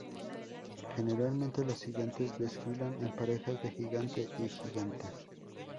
Generalmente los gigantes desfilan en parejas de gigante y giganta.